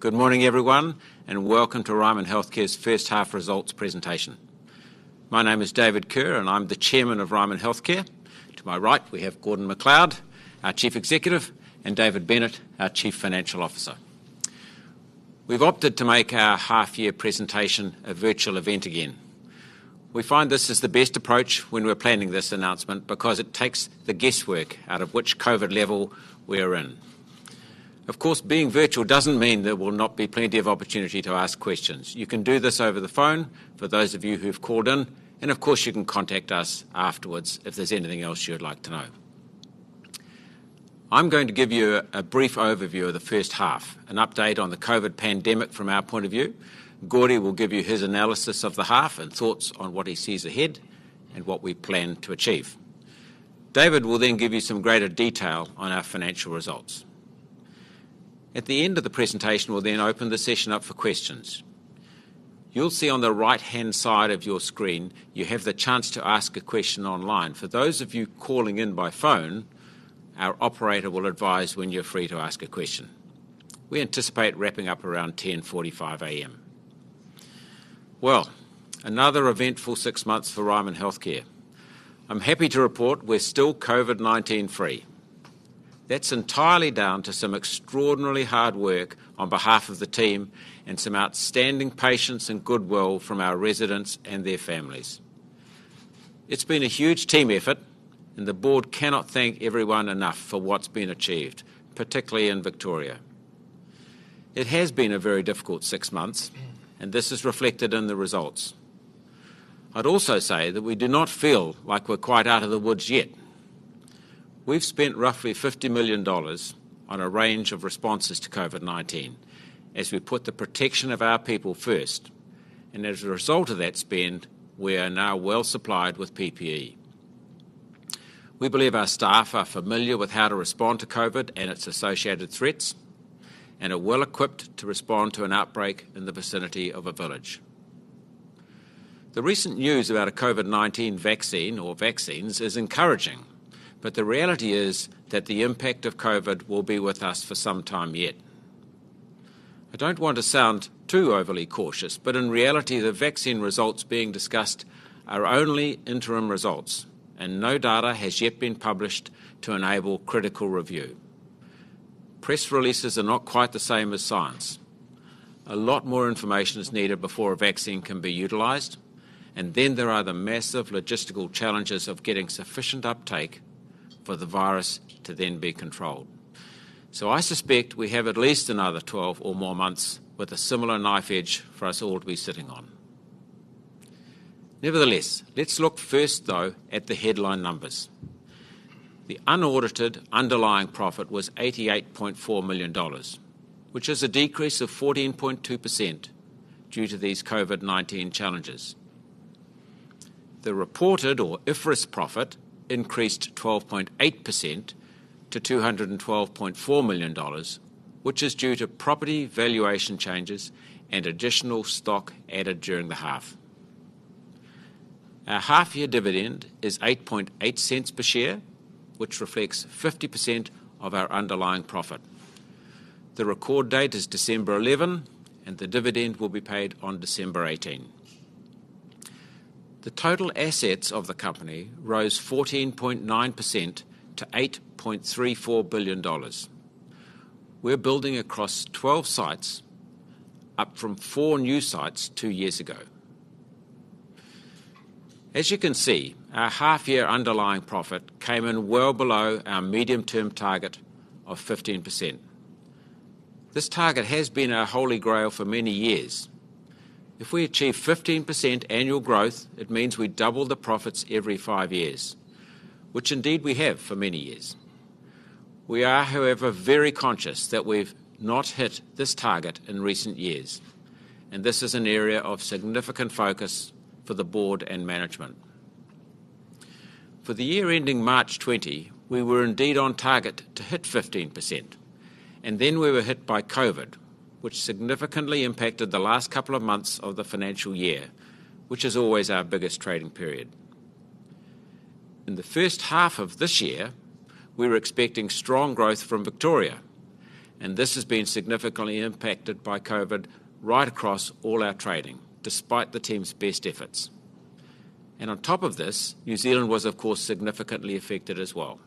Good morning, everyone, and welcome to Ryman Healthcare's first half results presentation. My name is David Kerr, and I'm the Chairman of Ryman Healthcare. To my right, we have Gordon MacLeod, our Chief Executive, and David Bennett, our Chief Financial Officer. We've opted to make our half year presentation a virtual event again. We find this is the best approach when we're planning this announcement because it takes the guesswork out of which COVID level we're in. Of course, being virtual doesn't mean there will not be plenty of opportunity to ask questions. You can do this over the phone for those of you who have called in, and of course you can contact us afterwards if there's anything else you would like to know. I'm going to give you a brief overview of the first half, an update on the COVID pandemic from our point of view. Gordy will give you his analysis of the half, and thoughts on what he sees ahead, and what we plan to achieve. David will give you some greater detail on our financial results. At the end of the presentation, we'll open the session up for questions. You'll see on the right-hand side of your screen you have the chance to ask a question online. For those of you calling in by phone, our operator will advise when you're free to ask a question. We anticipate wrapping up around 10:45 A.M. Well, another eventful six months for Ryman Healthcare. I'm happy to report we're still COVID-19 free. That's entirely down to some extraordinarily hard work on behalf of the team, and some outstanding patience and goodwill from our residents and their families. It's been a huge team effort, and the board cannot thank everyone enough for what's been achieved, particularly in Victoria. It has been a very difficult six months, and this is reflected in the results. I'd also say that we do not feel like we're quite out of the woods yet. We've spent roughly 50 million dollars on a range of responses to COVID-19 as we put the protection of our people first. As a result of that spend, we are now well supplied with PPE. We believe our staff are familiar with how to respond to COVID and its associated threats, and are well equipped to respond to an outbreak in the vicinity of a village. The recent news about a COVID-19 vaccine or vaccines is encouraging. The reality is that the impact of COVID will be with us for some time yet. I don't want to sound too overly cautious. In reality, the vaccine results being discussed are only interim results, and no data has yet been published to enable critical review. Press releases are not quite the same as science. A lot more information is needed before a vaccine can be utilized. Then there are the massive logistical challenges of getting sufficient uptake for the virus to then be controlled. I suspect we have at least another 12 or more months with a similar knife edge for us all to be sitting on. Nevertheless, let's look first, though, at the headline numbers. The unaudited underlying profit was 88.4 million dollars, which is a decrease of 14.2% due to these COVID-19 challenges. The reported, or IFRS profit, increased 12.8% to 212.4 million dollars, which is due to property valuation changes and additional stock added during the half. Our half year dividend is 0.088 per share, which reflects 50% of our underlying profit. The record date is December 11, and the dividend will be paid on December 18. The total assets of the company rose 14.9% to NZD 8.34 billion. We're building across 12 sites, up from four new sites two years ago. As you can see, our half year underlying profit came in well below our medium-term target of 15%. This target has been our holy grail for many years. If we achieve 15% annual growth, it means we double the profits every five years, which indeed we have for many years. We are, however, very conscious that we've not hit this target in recent years, and this is an area of significant focus for the board and management. For the year ending March 2020, we were indeed on target to hit 15%. Then we were hit by COVID, which significantly impacted the last couple of months of the financial year, which is always our biggest trading period. In the first half of this year, we were expecting strong growth from Victoria. This has been significantly impacted by COVID right across all our trading, despite the team's best efforts. On top of this, New Zealand was, of course, significantly affected as well.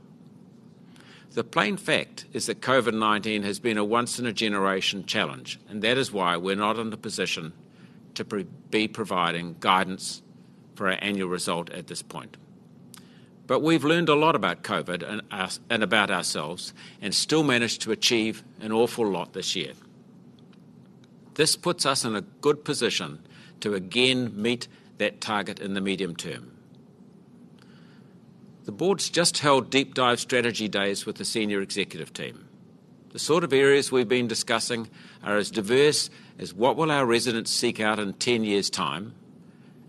The plain fact is that COVID-19 has been a once in a generation challenge. That is why we're not in the position to be providing guidance for our annual result at this point. We've learned a lot about COVID and about ourselves. Still managed to achieve an awful lot this year. This puts us in a good position to again meet that target in the medium term. The board's just held deep dive strategy days with the senior executive team. The sort of areas we've been discussing are as diverse as what will our residents seek out in 10 years' time,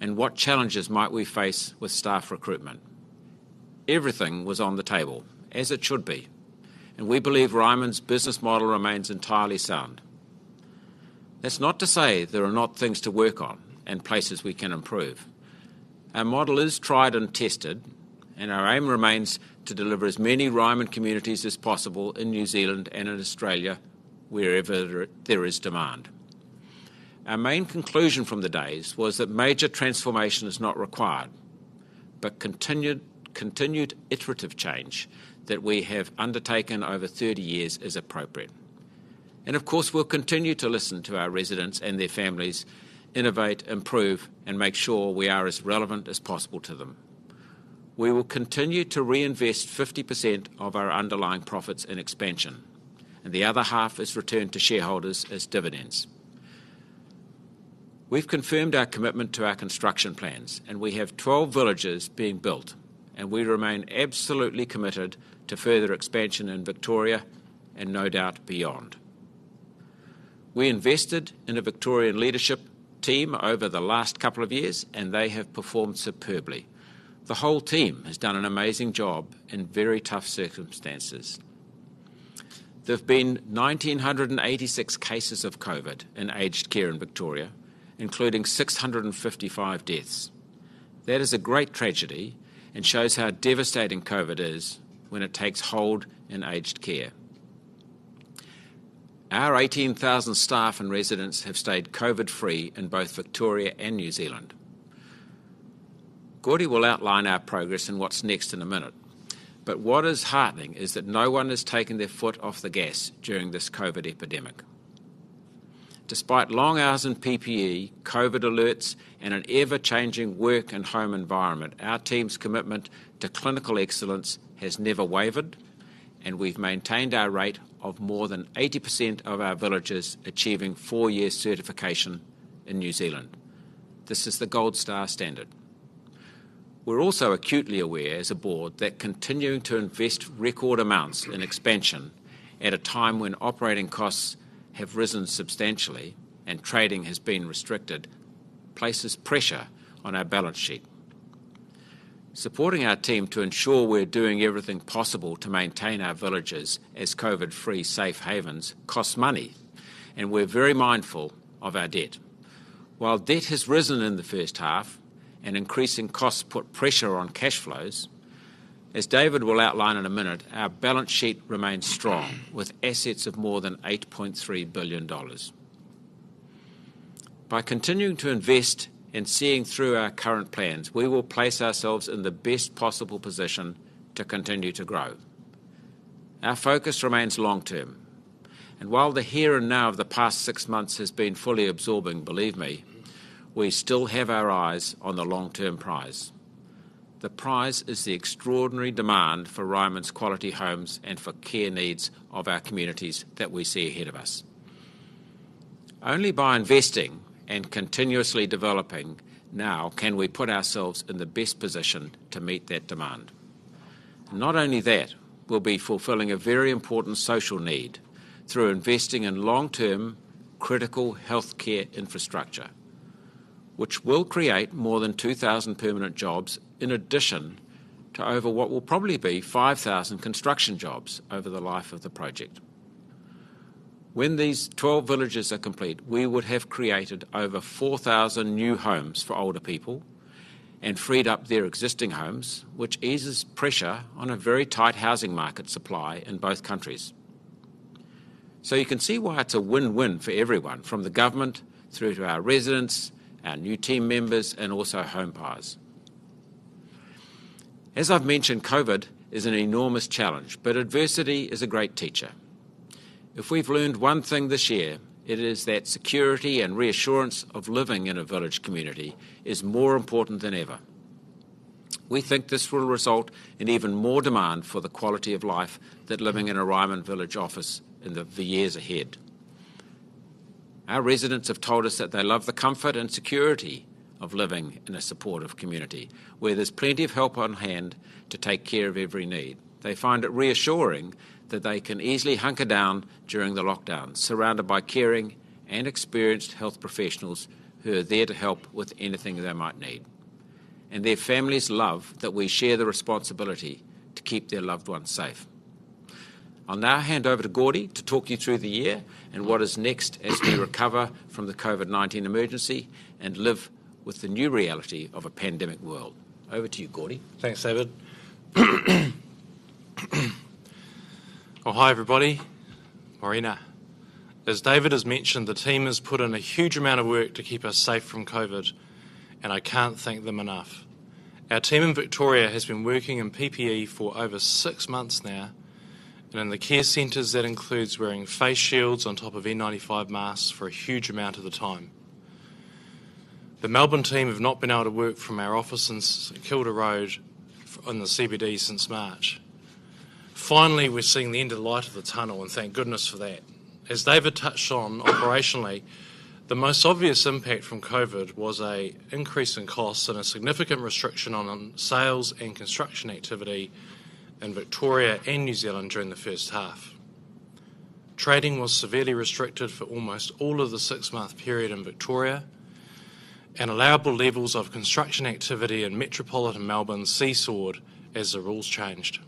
and what challenges might we face with staff recruitment. Everything was on the table, as it should be, and we believe Ryman's business model remains entirely sound. That's not to say there are not things to work on and places we can improve. Our model is tried and tested, and our aim remains to deliver as many Ryman communities as possible in New Zealand and in Australia, wherever there is demand. Our main conclusion from the days was that major transformation is not required, but continued iterative change that we have undertaken over 30 years is appropriate. Of course, we'll continue to listen to our residents and their families, innovate, improve, and make sure we are as relevant as possible to them. We will continue to reinvest 50% of our underlying profits in expansion, and the other half is returned to shareholders as dividends. We've confirmed our commitment to our construction plans, and we have 12 villages being built, and we remain absolutely committed to further expansion in Victoria, and no doubt beyond. We invested in a Victorian leadership team over the last couple of years, and they have performed superbly. The whole team has done an amazing job in very tough circumstances. There've been 1,986 cases of COVID in aged care in Victoria, including 655 deaths. That is a great tragedy, and shows how devastating COVID is when it takes hold in aged care. Our 18,000 staff and residents have stayed COVID free in both Victoria and New Zealand. What is heartening is that no one has taken their foot off the gas during this COVID epidemic. Despite long hours in PPE, COVID alerts, and an ever-changing work and home environment, our team's commitment to clinical excellence has never wavered, and we've maintained our rate of more than 80% of our villages achieving four-year certification in New Zealand. This is the gold star standard. We're also acutely aware, as a board, that continuing to invest record amounts in expansion at a time when operating costs have risen substantially and trading has been restricted, places pressure on our balance sheet. Supporting our team to ensure we're doing everything possible to maintain our villages as COVID-free safe havens costs money, and we're very mindful of our debt. While debt has risen in the first half and increasing costs put pressure on cash flows, as David will outline in a minute, our balance sheet remains strong, with assets of more than 8.3 billion dollars. By continuing to invest in seeing through our current plans, we will place ourselves in the best possible position to continue to grow. Our focus remains long term, and while the here and now of the past six months has been fully absorbing, believe me, we still have our eyes on the long-term prize. The prize is the extraordinary demand for Ryman's quality homes and for care needs of our communities that we see ahead of us. Only by investing and continuously developing now can we put ourselves in the best position to meet that demand. Not only that, we'll be fulfilling a very important social need through investing in long-term critical healthcare infrastructure, which will create more than 2,000 permanent jobs in addition to over what will probably be 5,000 construction jobs over the life of the project. When these 12 villages are complete, we would have created over 4,000 new homes for older people and freed up their existing homes, which eases pressure on a very tight housing market supply in both countries. You can see why it's a win-win for everyone, from the government through to our residents, our new team members, and also home buyers. As I've mentioned, COVID is an enormous challenge, but adversity is a great teacher. If we've learned one thing this year, it is that security and reassurance of living in a village community is more important than ever. We think this will result in even more demand for the quality of life that living in a Ryman village offers in the years ahead. Our residents have told us that they love the comfort and security of living in a supportive community, where there's plenty of help on hand to take care of every need. They find it reassuring that they can easily hunker down during the lockdown, surrounded by caring and experienced health professionals who are there to help with anything they might need. Their families love that we share the responsibility to keep their loved ones safe. I'll now hand over to Gordy to talk you through the year and what is next as we recover from the COVID-19 emergency and live with the new reality of a pandemic world. Over to you, Gordy. Thanks, David. Well, hi, everybody. Morena. As David has mentioned, the team has put in a huge amount of work to keep us safe from COVID, and I can't thank them enough. Our team in Victoria has been working in PPE for over six months now, and in the care centers, that includes wearing face shields on top of N95 masks for a huge amount of the time. The Melbourne team have not been able to work from our office St Kilda Road, in the CBD, since March. Finally, we're seeing the end of light of the tunnel, and thank goodness for that. As David touched on operationally, the most obvious impact from COVID was an increase in costs and a significant restriction on sales and construction activity in Victoria and New Zealand during the first half. Trading was severely restricted for almost all of the six-month period in Victoria, and allowable levels of construction activity in metropolitan Melbourne seesawed as the rules changed.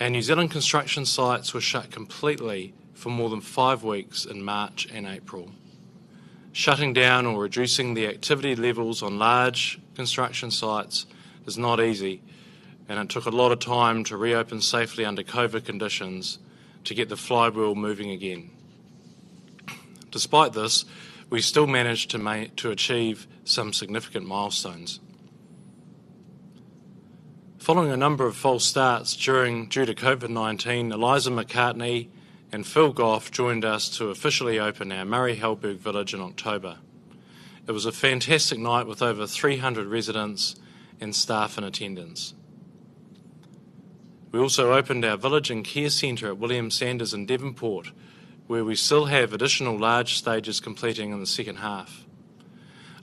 Our New Zealand construction sites were shut completely for more than five weeks in March and April. Shutting down or reducing the activity levels on large construction sites is not easy, and it took a lot of time to reopen safely under COVID conditions to get the flywheel moving again. Despite this, we still managed to achieve some significant milestones. Following a number of false starts due to COVID-19, Eliza McCartney and Phil Goff joined us to officially open our Murray Halberg Village in October. It was a fantastic night with over 300 residents and staff in attendance. We also opened our village and care center at William Sanders in Devonport, where we still have additional large stages completing in the second half.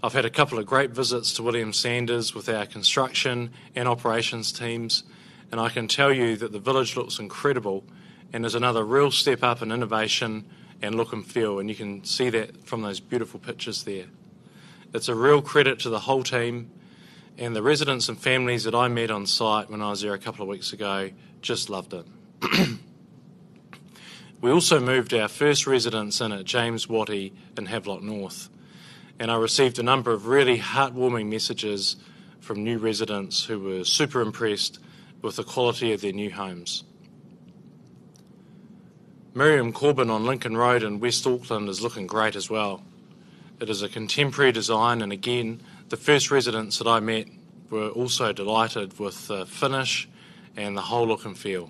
I've had a couple of great visits to William Sanders with our construction and operations teams, and I can tell you that the village looks incredible and is another real step up in innovation and look and feel. You can see that from those beautiful pictures there. It's a real credit to the whole team. The residents and families that I met on site when I was there a couple of weeks ago just loved it. We also moved our first residents in at James Wattie in Havelock North, and I received a number of really heartwarming messages from new residents who were super impressed with the quality of their new homes. Miriam Corban on Lincoln Road in West Auckland is looking great as well. It is a contemporary design, again, the first residents that I met were also delighted with the finish and the whole look and feel.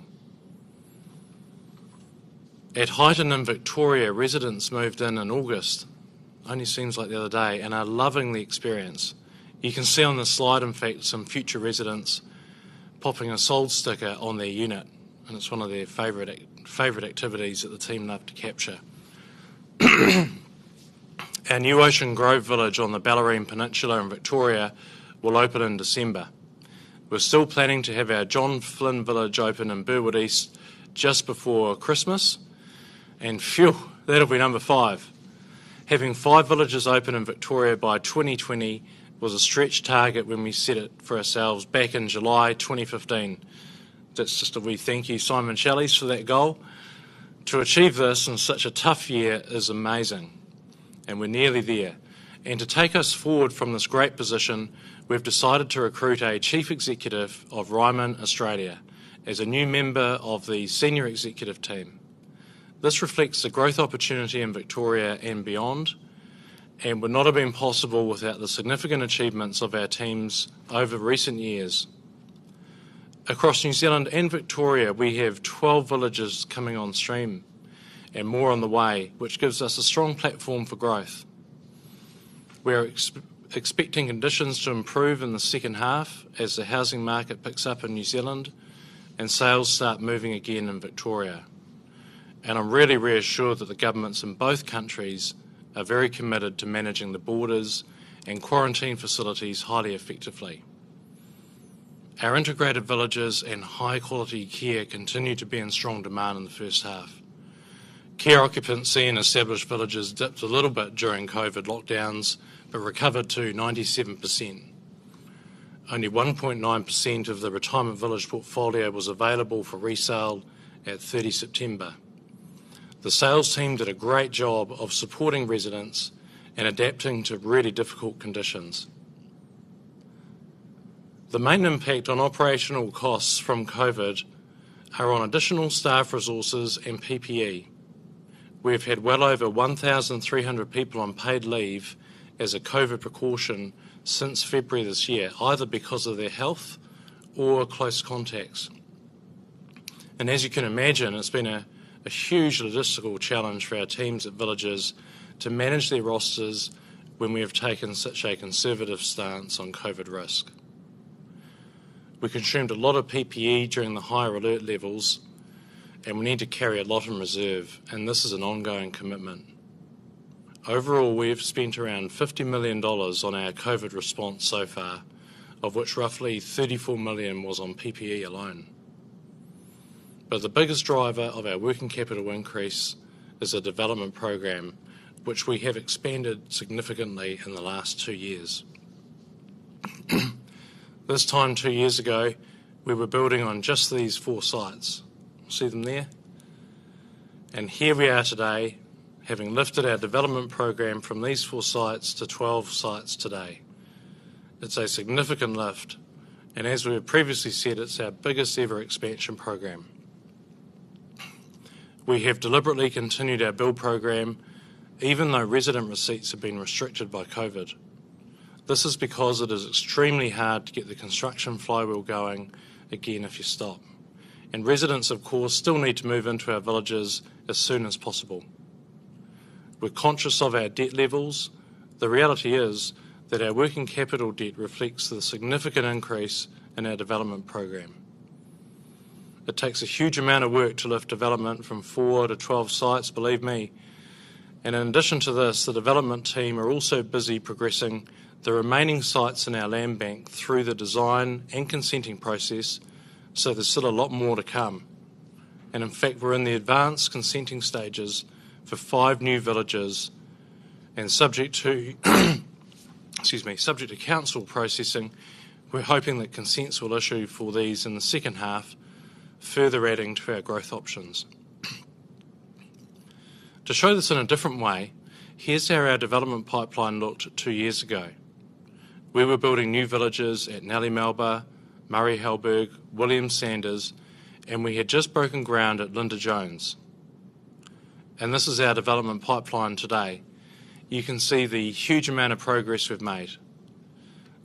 At Highton in Victoria, residents moved in in August, only seems like the other day, are loving the experience. You can see on the slide, in fact, some future residents popping a sold sticker on their unit, it's one of their favorite activities that the team love to capture. Our new Ocean Grove Village on the Bellarine Peninsula in Victoria will open in December. We're still planning to have our John Flynn Village open in Burwood East just before Christmas. Phew, that'll be number five. Having five villages open in Victoria by 2020 was a stretch target when we set it for ourselves back in July 2015. That's just a wee thank you, Simon Challies, for that goal. To achieve this in such a tough year is amazing, and we're nearly there. To take us forward from this great position, we've decided to recruit a chief executive of Ryman Australia as a new member of the senior executive team. This reflects the growth opportunity in Victoria and beyond and would not have been possible without the significant achievements of our teams over recent years. Across New Zealand and Victoria, we have 12 villages coming on stream and more on the way, which gives us a strong platform for growth. We're expecting conditions to improve in the second half as the housing market picks up in New Zealand and sales start moving again in Victoria. I'm really reassured that the governments in both countries are very committed to managing the borders and quarantine facilities highly effectively. Our integrated villages and high-quality care continued to be in strong demand in the first half. Care occupancy in established villages dipped a little bit during COVID lockdowns but recovered to 97%. Only 1.9% of the retirement village portfolio was available for resale at 30 September. The sales team did a great job of supporting residents and adapting to really difficult conditions. The main impact on operational costs from COVID are on additional staff resources and PPE. We've had well over 1,300 people on paid leave as a COVID precaution since February this year, either because of their health or close contacts. As you can imagine, it's been a huge logistical challenge for our teams at villages to manage their rosters when we have taken such a conservative stance on COVID risk. We consumed a lot of PPE during the higher alert levels, and we need to carry a lot in reserve, and this is an ongoing commitment. Overall, we have spent around 50 million dollars on our COVID response so far, of which roughly 34 million was on PPE alone. The biggest driver of our working capital increase is the development program, which we have expanded significantly in the last two years. This time two years ago, we were building on just these four sites. See them there? Here we are today, having lifted our development program from these four sites to 12 sites today. It's a significant lift, and as we have previously said, it's our biggest ever expansion program. We have deliberately continued our build program, even though resident receipts have been restricted by COVID. This is because it is extremely hard to get the construction flywheel going again if you stop. Residents, of course, still need to move into our villages as soon as possible. We're conscious of our debt levels. The reality is that our working capital debt reflects the significant increase in our development program. It takes a huge amount of work to lift development from four to 12 sites, believe me. In addition to this, the development team are also busy progressing the remaining sites in our land bank through the design and consenting process. There's still a lot more to come. In fact, we're in the advanced consenting stages for five new villages, subject to council processing, we're hoping that consents will issue for these in the second half, further adding to our growth options. To show this in a different way, here's how our development pipeline looked two years ago. We were building new villages at Nellie Melba, Murray Halberg, William Sanders, and we had just broken ground at Linda Jones. This is our development pipeline today. You can see the huge amount of progress we've made.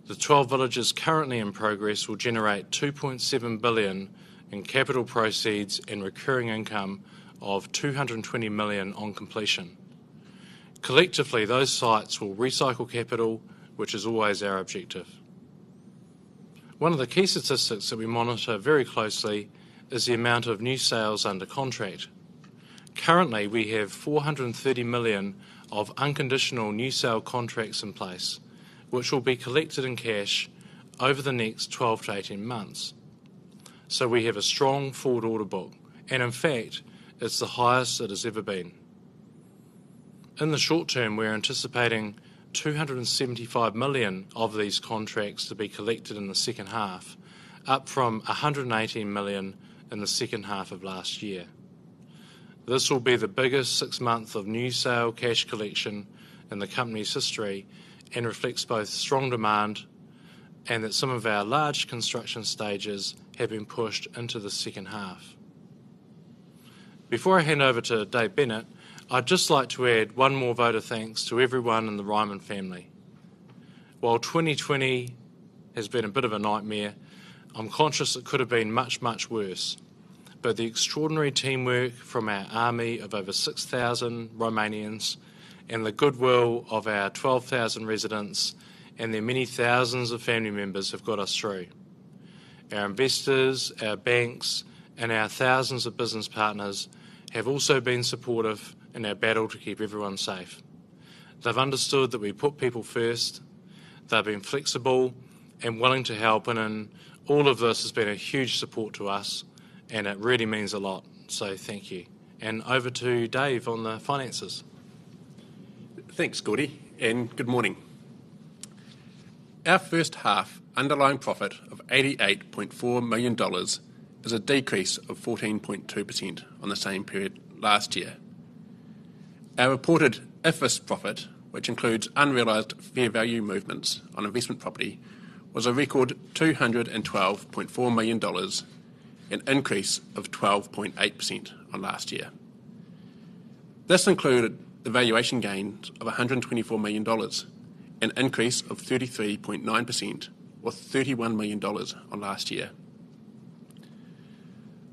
The 12 villages currently in progress will generate 2.7 billion in capital proceeds and recurring income of 220 million on completion. Collectively, those sites will recycle capital, which is always our objective. One of the key statistics that we monitor very closely is the amount of new sales under contract. Currently, we have 430 million of unconditional new sale contracts in place, which will be collected in cash over the next 12-18 months. We have a strong forward order book, and in fact, it's the highest it has ever been. In the short term, we're anticipating 275 million of these contracts to be collected in the second half, up from 118 million in the second half of last year. This will be the biggest six month of new sale cash collection in the company's history, reflects both strong demand and that some of our large construction stages have been pushed into the second half. Before I hand over to Dave Bennett, I'd just like to add one more vote of thanks to everyone in the Ryman family. While 2020 has been a bit of a nightmare, I'm conscious it could have been much, much worse. The extraordinary teamwork from our army of over 6,000 Rymanians and the goodwill of our 12,000 residents and their many thousands of family members have got us through. Our investors, our banks, and our thousands of business partners have also been supportive in our battle to keep everyone safe. They've understood that we put people first, they've been flexible and willing to help, and in all of this has been a huge support to us, and it really means a lot. Thank you. Over to Dave on the finances. Thanks, Gordy, good morning. Our first half underlying profit of 88.4 million dollars is a decrease of 14.2% on the same period last year. Our reported IFRS profit, which includes unrealized fair value movements on investment property, was a record 212.4 million dollars, an increase of 12.8% on last year. This included the valuation gains of 124 million dollars, an increase of 33.9%, or 31 million dollars on last year.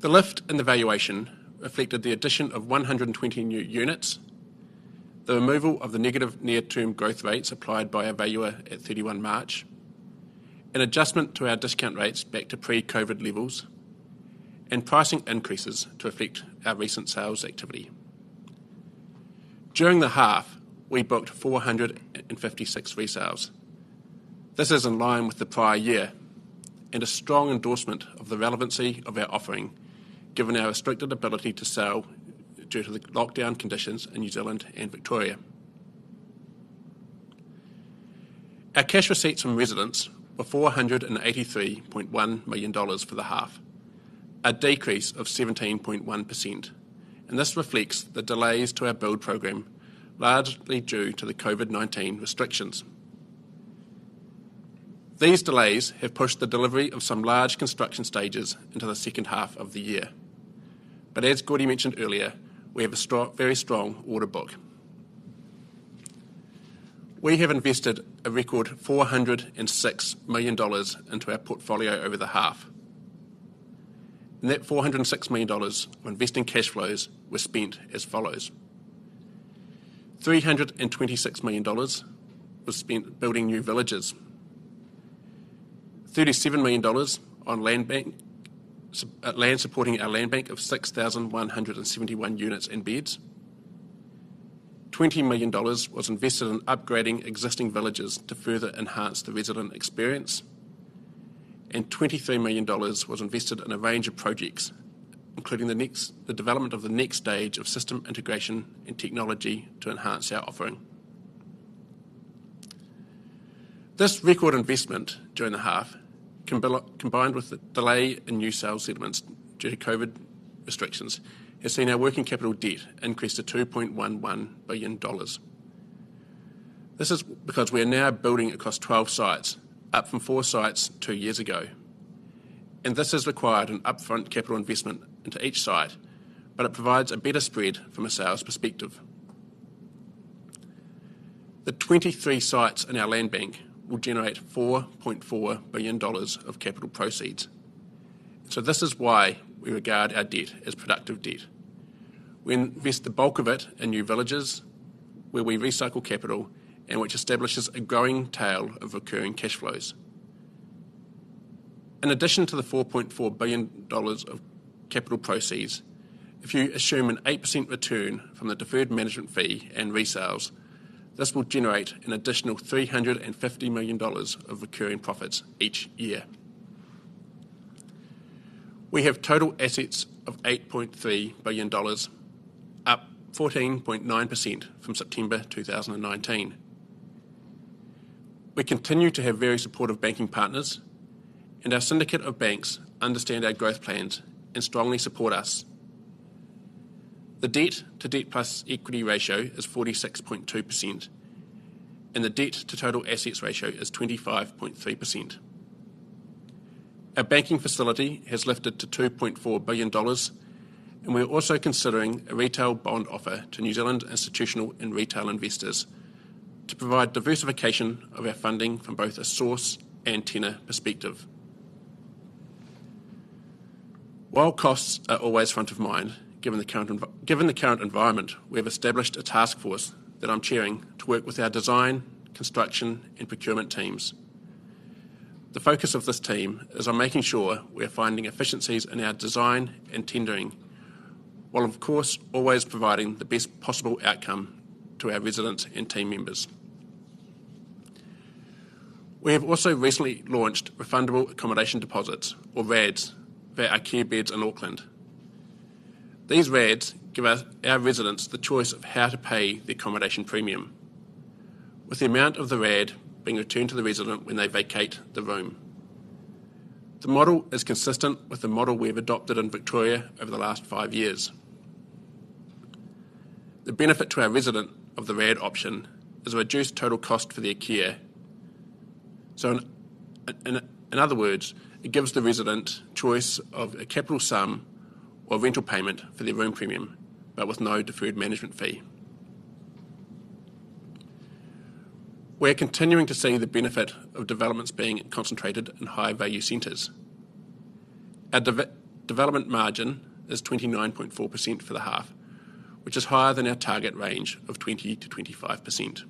The lift in the valuation affected the addition of 120 new units, the removal of the negative near term growth rates applied by our valuer at 31 March, an adjustment to our discount rates back to pre-COVID levels, and pricing increases to affect our recent sales activity. During the half, we booked 456 resales. This is in line with the prior year and a strong endorsement of the relevancy of our offering, given our restricted ability to sell due to the lockdown conditions in New Zealand and Victoria. Our cash receipts from residents were 483.1 million dollars for the half, a decrease of 17.1%. This reflects the delays to our build program, largely due to the COVID-19 restrictions. These delays have pushed the delivery of some large construction stages into the second half of the year. As Gordy mentioned earlier, we have a very strong order book. We have invested a record 406 million dollars into our portfolio over the half. That 406 million dollars of investing cash flows were spent as follows. 326 million dollars was spent building new villages. 37 million dollars at land supporting our land bank of 6,171 units and beds. 20 million dollars was invested in upgrading existing villages to further enhance the resident experience. 23 million dollars was invested in a range of projects, including the development of the next stage of system integration and technology to enhance our offering. This record investment during the half, combined with the delay in new sales settlements due to COVID-19 restrictions, has seen our working capital debt increase to 2.11 billion dollars. This is because we are now building across 12 sites, up from four sites two years ago. This has required an upfront capital investment into each site, but it provides a better spread from a sales perspective. The 23 sites in our land bank will generate 4.4 billion dollars of capital proceeds. This is why we regard our debt as productive debt. We invest the bulk of it in new villages where we recycle capital and which establishes a growing tail of recurring cash flows. In addition to the 4.4 billion dollars of capital proceeds, if you assume an 8% return from the deferred management fee and resales, this will generate an additional 350 million dollars of recurring profits each year. We have total assets of 8.3 billion dollars, up 14.9% from September 2019. We continue to have very supportive banking partners, and our syndicate of banks understand our growth plans and strongly support us. The debt to debt plus equity ratio is 46.2%, and the debt to total assets ratio is 25.3%. Our banking facility has lifted to 2.4 billion dollars, and we're also considering a retail bond offer to New Zealand institutional and retail investors to provide diversification of our funding from both a source and tenor perspective. While costs are always front of mind, given the current environment, we have established a task force that I'm chairing to work with our design, construction, and procurement teams. The focus of this team is on making sure we are finding efficiencies in our design and tendering, while, of course, always providing the best possible outcome to our residents and team members. We have also recently launched Refundable Accommodation Deposits, or RADs, for our care beds in Auckland. These RADs give our residents the choice of how to pay the accommodation premium, with the amount of the RAD being returned to the resident when they vacate the room. The model is consistent with the model we've adopted in Victoria over the last five years. The benefit to our resident of the RAD option is a reduced total cost for their care. In other words, it gives the resident choice of a capital sum or rental payment for their room premium, but with no deferred management fee. We are continuing to see the benefit of developments being concentrated in high-value centers. Our development margin is 29.4% for the half, which is higher than our target range of 20%-25%.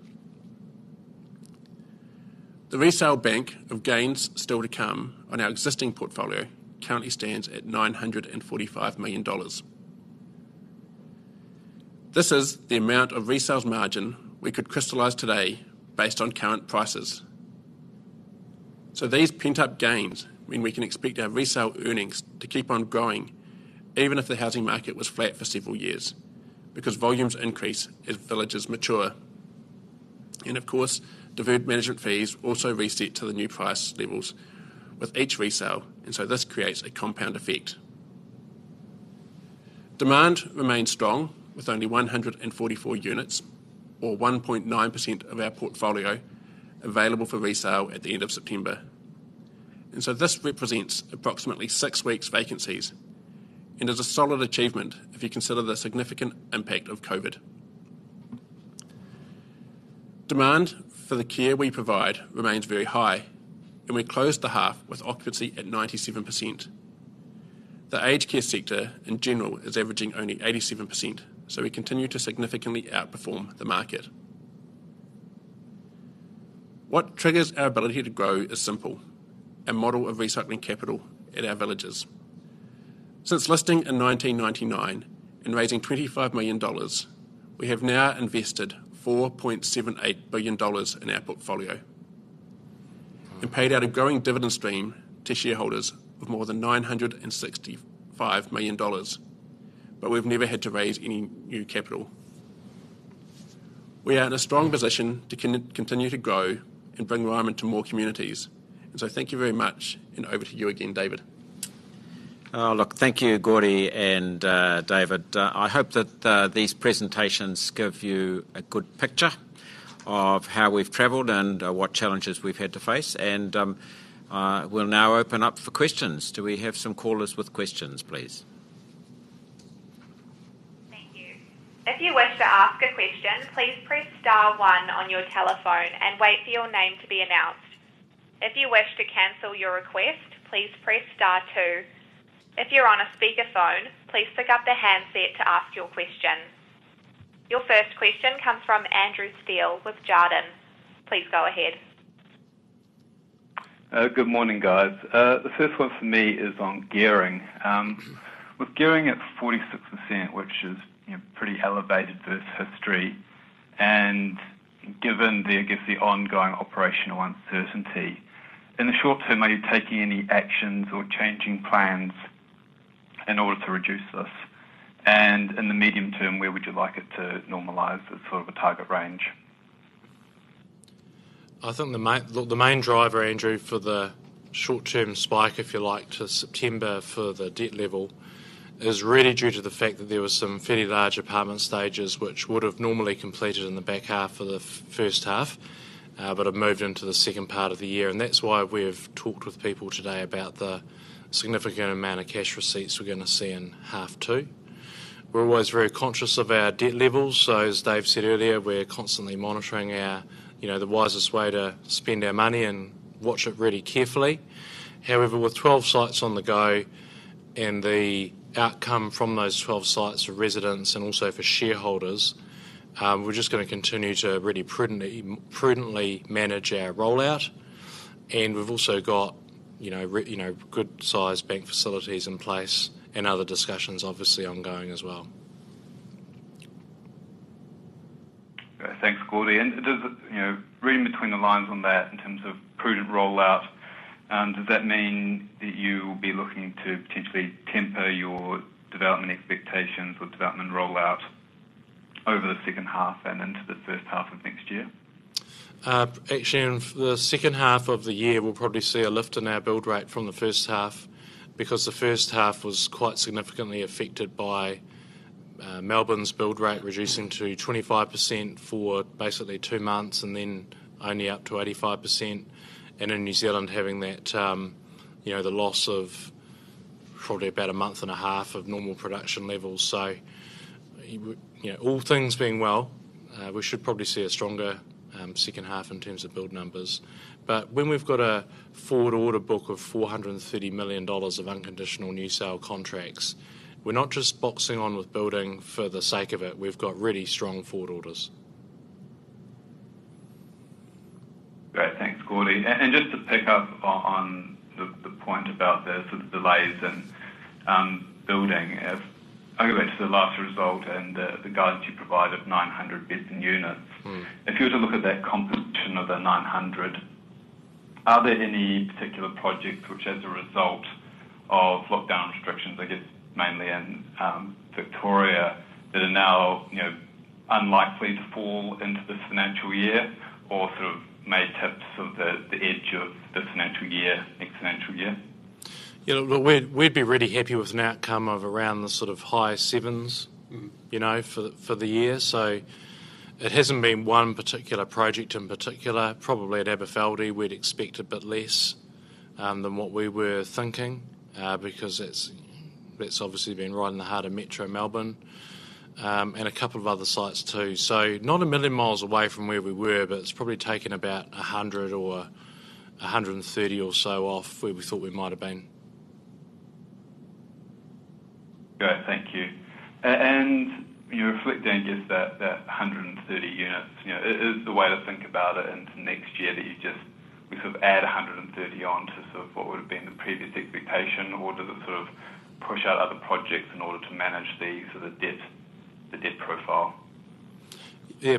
The resale bank of gains still to come on our existing portfolio currently stands at 945 million dollars. This is the amount of resales margin we could crystallize today based on current prices. These pent-up gains mean we can expect our resale earnings to keep on growing even if the housing market was flat for several years, because volumes increase as villages mature. Of course, deferred management fees also reset to the new price levels with each resale, and so this creates a compound effect. Demand remains strong, with only 144 units, or 1.9% of our portfolio, available for resale at the end of September. This represents approximately six weeks' vacancies and is a solid achievement if you consider the significant impact of COVID-19. Demand for the care we provide remains very high, and we closed the half with occupancy at 97%. The aged care sector, in general, is averaging only 87%, so we continue to significantly outperform the market. What triggers our ability to grow is simple: a model of recycling capital at our villages. Since listing in 1999 and raising 25 million dollars, we have now invested 4.78 billion dollars in our portfolio and paid out a growing dividend stream to shareholders of more than 965 million dollars. We've never had to raise any new capital. We are in a strong position to continue to grow and bring Ryman to more communities. Thank you very much, and over to you again, David. Look, thank you, Gordy and David. I hope that these presentations give you a good picture of how we've traveled and what challenges we've had to face. We'll now open up for questions. Do we have some callers with questions, please? Your first question comes from Andrew Steele with Jarden. Please go ahead. Good morning, guys. The first one for me is on gearing. With gearing at 46%, which is pretty elevated versus history, and given, I guess, the ongoing operational uncertainty, in the short term, are you taking any actions or changing plans in order to reduce this? In the medium term, where would you like it to normalize as sort of a target range? I think the main driver, Andrew, for the short-term spike, if you like, to September for the debt level, is really due to the fact that there were some fairly large apartment stages which would have normally completed in the back half of the first half, but have moved into the second part of the year. That's why we've talked with people today about the significant amount of cash receipts we're going to see in half two. We're always very conscious of our debt levels, so as Dave said earlier, we're constantly monitoring the wisest way to spend our money and watch it really carefully. However, with 12 sites on the go and the outcome from those 12 sites for residents and also for shareholders, we're just going to continue to really prudently manage our rollout. We've also got good-sized bank facilities in place and other discussions obviously ongoing as well. Thanks, Gordy. Reading between the lines on that in terms of prudent rollout, does that mean that you will be looking to potentially temper your development expectations or development rollout over the second half and into the first half of next year? Actually, in the second half of the year, we'll probably see a lift in our build rate from the first half because the first half was quite significantly affected by Melbourne's build rate reducing to 25% for basically two months, and then only up to 85%. In New Zealand having the loss of probably about a month and a half of normal production levels. All things being well, we should probably see a stronger second half in terms of build numbers. When we've got a forward order book of 430 million dollars of unconditional new sale contracts, we're not just boxing on with building for the sake of it. We've got really strong forward orders. Great. Thanks, Gordy. Just to pick up on the point about the sort of delays in building. I went to the last result and the guidance you provided, 900 beds and units. If you were to look at that composition of the 900, are there any particular projects which, as a result of lockdown restrictions, I guess mainly in Victoria, that are now unlikely to fall into this financial year or sort of may tip the edge of this financial year, next financial year? We'd be really happy with an outcome of around the sort of high sevens. for the year. It hasn't been one particular project in particular. Probably at Aberfeldie, we'd expect a bit less than what we were thinking, because that's obviously been right in the heart of Metro Melbourne, and a couple of other sites, too. Not a million miles away from where we were, but it's probably taken about 100 or 130 or so off where we thought we might have been. Great. Thank you. Reflecting just that 130 units, is the way to think about it into next year that you just add 130 on to what would have been the previous expectation, or does it sort of push out other projects in order to manage the sort of debt profile? Yeah.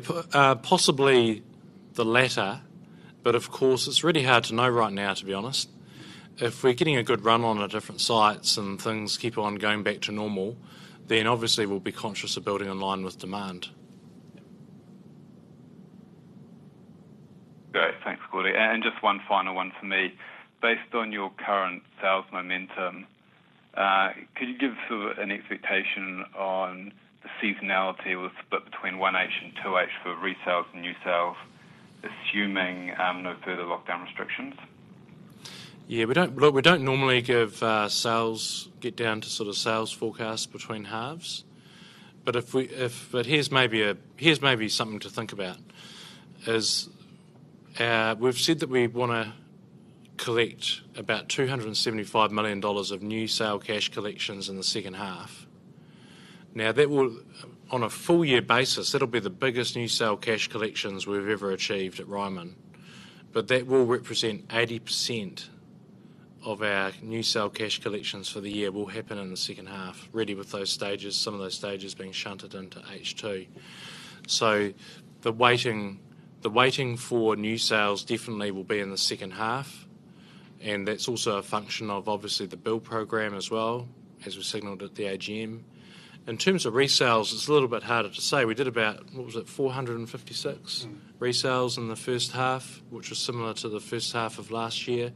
Possibly the latter, but of course, it's really hard to know right now, to be honest. If we're getting a good run on at different sites and things keep on going back to normal, then obviously, we'll be conscious of building in line with demand. Great. Thanks, Gordy. Just one final one from me. Based on your current sales momentum, could you give sort of an expectation on the seasonality with the split between 1H and 2H for resales and new sales, assuming no further lockdown restrictions? Look, we don't normally give sales, get down to sort of sales forecast between halves. Here's maybe something to think about, is we've said that we want to collect about 275 million dollars of new sale cash collections in the second half. On a full year basis, that'll be the biggest new sale cash collections we've ever achieved at Ryman. That will represent 80% of our new sale cash collections for the year will happen in the second half, really with those stages, some of those stages being shunted into H2. The waiting for new sales definitely will be in the second half, and that's also a function of obviously the build program as well, as we signaled at the AGM. In terms of resales, it's a little bit harder to say. We did about, what was it? 456- resales in the first half, which was similar to the first half of last year.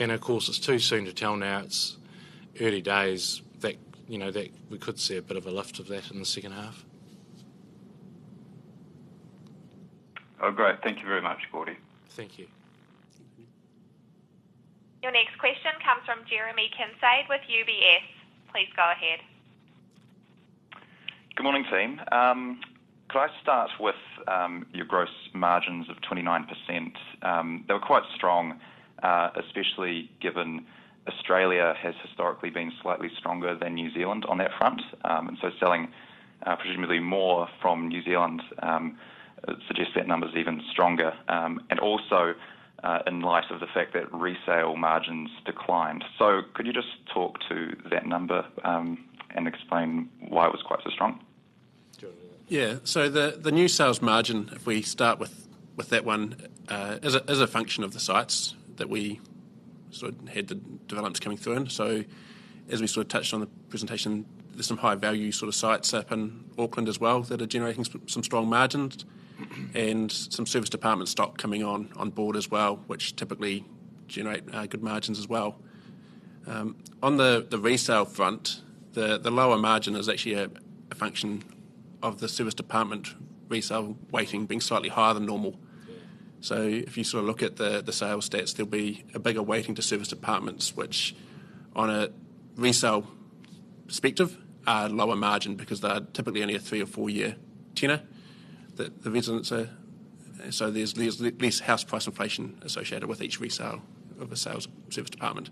Of course, it's too soon to tell now. It's early days. We could see a bit of a lift of that in the second half. Oh, great. Thank you very much, Gordy. Thank you. Your next question comes from Jeremy Kincaid with UBS. Please go ahead. Good morning, team. Could I start with your gross margins of 29%? They were quite strong, especially given Australia has historically been slightly stronger than New Zealand on that front. Selling presumably more from New Zealand suggests that number's even stronger. Also, in light of the fact that resale margins declined. Could you just talk to that number, and explain why it was quite so strong? Jeremy. Yeah. The new sales margin, if we start with that one, is a function of the sites that we sort of had the developments coming through in. As we sort of touched on the presentation, there's some high value sort of sites up in Auckland as well that are generating some strong margins, and some serviced apartment stock coming on board as well, which typically generate good margins as well. On the resale front, the lower margin is actually a function of the serviced apartment resale weighting being slightly higher than normal. If you sort of look at the sales stats, there'll be a bigger weighting to serviced apartments, which on a resale perspective, are lower margin because they are typically only a three or four-year tenure. There's less house price inflation associated with each resale of a sales serviced apartment.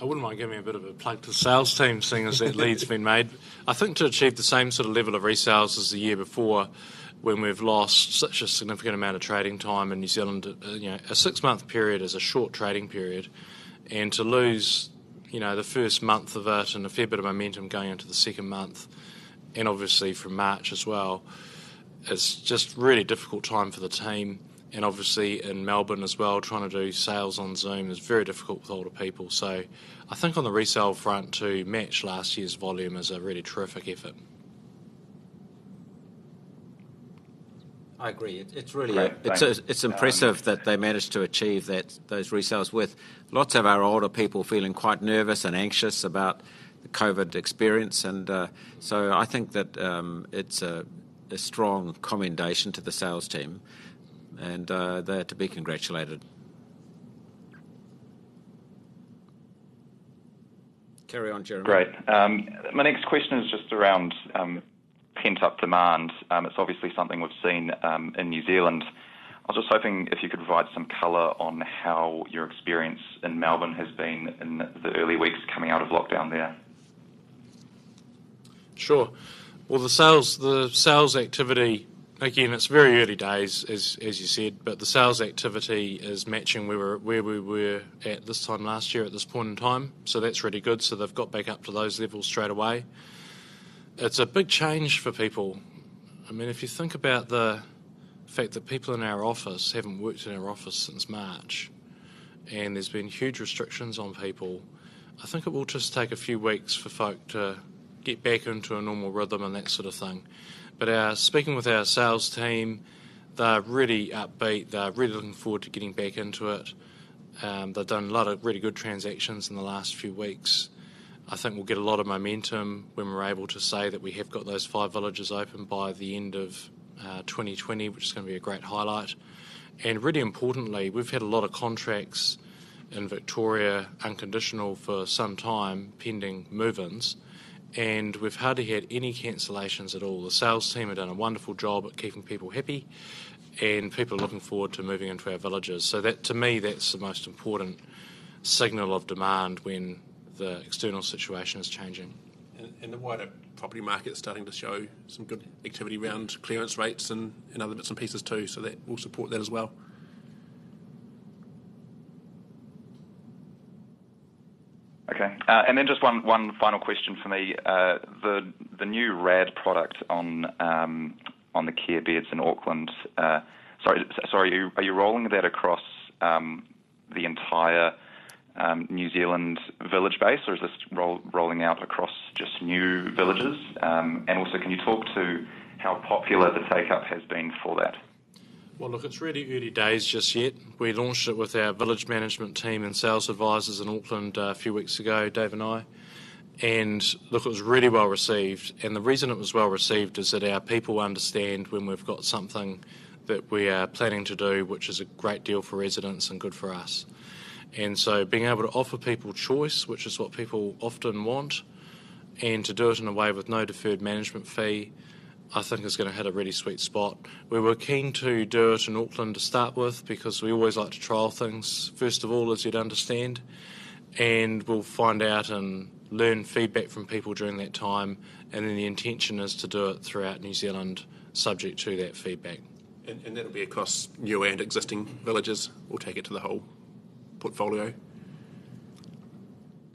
I wouldn't mind giving a bit of a plug to the sales team, seeing as that lead's been made. I think to achieve the same sort of level of resales as the year before when we've lost such a significant amount of trading time in New Zealand, a six-month period is a short trading period. The first month of it and a fair bit of momentum going into the second month, and obviously from March as well, it's just really difficult time for the team, and obviously in Melbourne as well, trying to do sales on Zoom is very difficult with older people. I think on the resale front, to match last year's volume is a really terrific effort. I agree. Great. Thanks. It's impressive that they managed to achieve those resales with lots of our older people feeling quite nervous and anxious about the COVID experience. I think that it's a strong commendation to the sales team, and they're to be congratulated. Carry on, Jeremy. Great. My next question is just around pent-up demand. It's obviously something we've seen in New Zealand. I was just hoping if you could provide some color on how your experience in Melbourne has been in the early weeks coming out of lockdown there. Sure. The sales activity, again, it's very early days as you said, but the sales activity is matching where we were at this time last year at this point in time. That's really good. They've got back up to those levels straight away. It's a big change for people. If you think about the fact that people in our office haven't worked in our office since March, and there's been huge restrictions on people, I think it will just take a few weeks for folk to get back into a normal rhythm and that sort of thing. Speaking with our sales team, they're really upbeat. They're really looking forward to getting back into it. They've done a lot of really good transactions in the last few weeks. I think we'll get a lot of momentum when we're able to say that we have got those five villages open by the end of 2020, which is going to be a great highlight. Really importantly, we've had a lot of contracts in Victoria unconditional for some time, pending move-ins, and we've hardly had any cancellations at all. The sales team have done a wonderful job at keeping people happy, and people are looking forward to moving into our villages. To me, that's the most important signal of demand when the external situation is changing. The wider property market is starting to show some good activity around clearance rates and other bits and pieces too, so that will support that as well. Okay. Just one final question from me. The new RAD product on the care beds in Auckland, sorry, are you rolling that across the entire New Zealand village base, or is this rolling out across just new villages? Also, can you talk to how popular the take-up has been for that? Well, look, it's really early days just yet. We launched it with our village management team and sales advisors in Auckland a few weeks ago, Dave and I. Look, it was really well-received. The reason it was well-received is that our people understand when we've got something that we are planning to do, which is a great deal for residents and good for us. Being able to offer people choice, which is what people often want, and to do it in a way with no deferred management fee, I think is going to hit a really sweet spot. We were keen to do it in Auckland to start with because we always like to trial things first of all, as you'd understand, and we'll find out and learn feedback from people during that time. The intention is to do it throughout New Zealand subject to that feedback. That'll be across new and existing villages? We'll take it to the whole portfolio.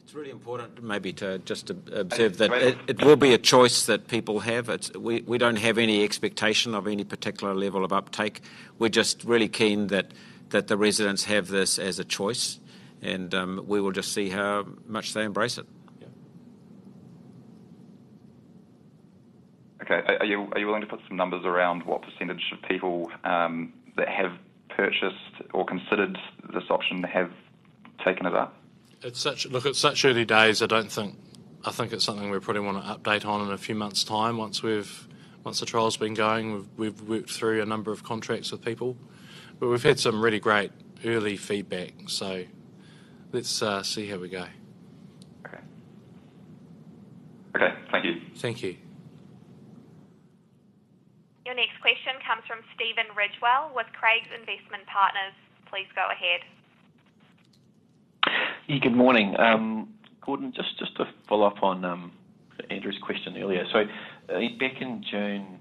It's really important maybe to just observe that it will be a choice that people have. We don't have any expectation of any particular level of uptake. We're just really keen that the residents have this as a choice, and we will just see how much they embrace it. Okay. Are you willing to put some numbers around what percentage of people that have purchased or considered this option have taken it up? Look, it's such early days, I think it's something we probably want to update on in a few months' time once the trial's been going. We've worked through a number of contracts with people. But we've had some really great early feedback, so let's see how we go. Okay. Thank you. Thank you. Your next question comes from Stephen Ridgewell with Craigs Investment Partners. Please go ahead. Yeah, good morning. Gordon, just to follow up on Andrew's question earlier. Back in June,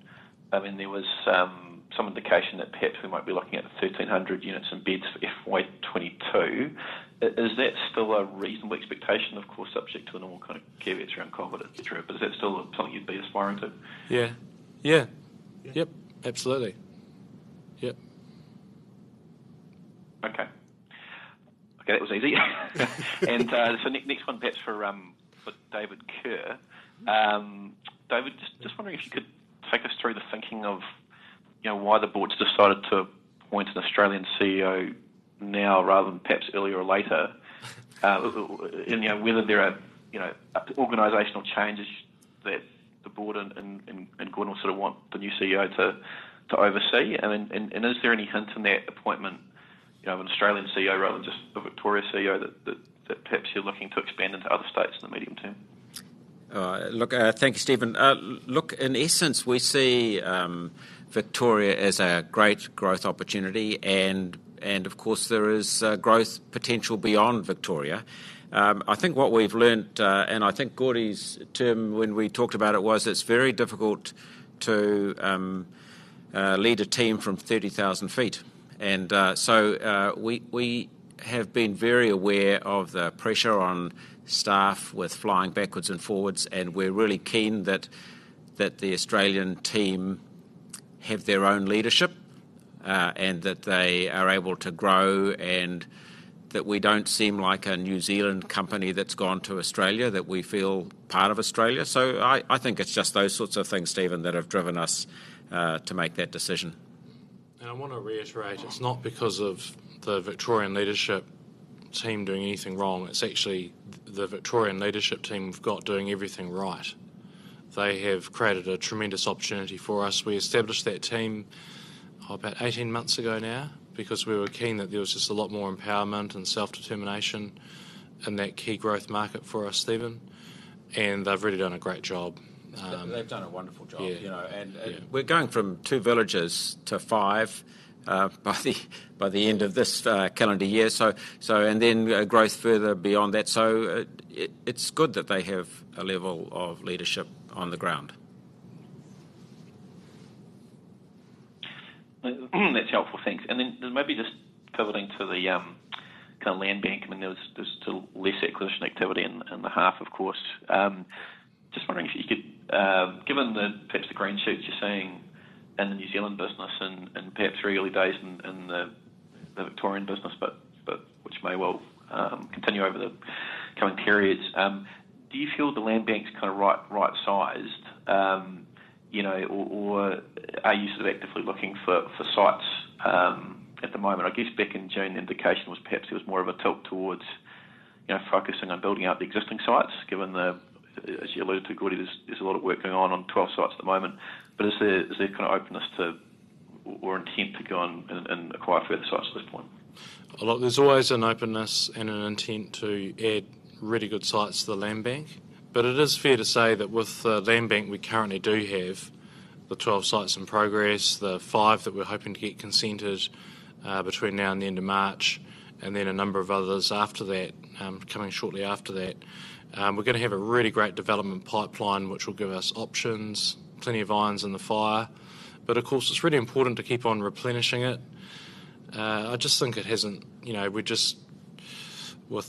there was some indication that perhaps we might be looking at 1,300 units and beds for FY 2022. Is that still a reasonable expectation, of course, subject to the normal kind of caveats around COVID et cetera, but is that still something you'd be aspiring to? Yeah. Yep, absolutely. Yep. Okay. That was easy. Next one perhaps for David Kerr. David, just wondering if you could take us through the thinking of why the board's decided to appoint an Australian CEO now rather than perhaps earlier or later. Whether there are organizational changes that the board and Gordon will sort of want the new CEO to oversee? Is there any hint in that appointment of an Australian CEO rather than just a Victoria CEO that perhaps you're looking to expand into other states in the medium term? Thank you, Stephen. Look, in essence, we see Victoria as a great growth opportunity. Of course, there is growth potential beyond Victoria. I think what we've learned, and I think Gordy's term when we talked about it was it's very difficult to lead a team from 30,000 feet. We have been very aware of the pressure on staff with flying backwards and forwards, and we're really keen that the Australian team have their own leadership, and that they are able to grow, and that we don't seem like a New Zealand company that's gone to Australia, that we feel part of Australia. I think it's just those sorts of things, Stephen, that have driven us to make that decision. I want to reiterate, it's not because of the Victorian leadership team doing anything wrong. It's actually the Victorian leadership team have got doing everything right. They have created a tremendous opportunity for us. We established that team about 18 months ago now because we were keen that there was just a lot more empowerment and self-determination in that key growth market for us, Stephen, and they've really done a great job. They've done a wonderful job. Yeah. We're going from two villages to five by the end of this calendar year, and then growth further beyond that. It's good that they have a level of leadership on the ground. That's helpful. Thanks. Then maybe just pivoting to the kind of land banking. There's still less acquisition activity in the half, of course. Just wondering if you could, given perhaps the green shoots you're seeing in the New Zealand business and perhaps early days in the Victorian business, but which may well continue over the coming periods, do you feel the land bank's kind of right-sized? Or are you sort of actively looking for sites at the moment? I guess back in June, the indication was perhaps it was more of a tilt towards focusing on building out the existing sites, given the, as you alluded to, Gordy, there's a lot of work going on on 12 sites at the moment. Is there kind of openness to or intent to go and acquire further sites at this point? Look, there's always an openness and an intent to add really good sites to the land bank. It is fair to say that with the land bank, we currently do have the 12 sites in progress, the five that we're hoping to get consented between now and the end of March, and then a number of others after that, coming shortly after that. We're going to have a really great development pipeline, which will give us options, plenty of irons in the fire. Of course, it's really important to keep on replenishing it. I just think with